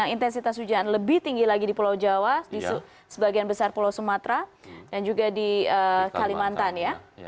intensitas hujan lebih tinggi lagi di pulau jawa di sebagian besar pulau sumatera dan juga di kalimantan ya